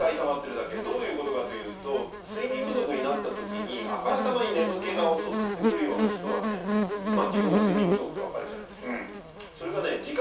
どういう事かというと睡眠不足になった時にあからさまに眠気が襲ってくるような人はねまあ自分が睡眠不足ってわかるじゃないですか。